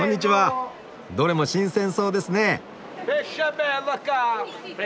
どれも新鮮そうですね！